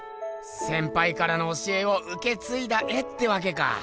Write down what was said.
せんぱいからの教えをうけついだ絵ってわけか。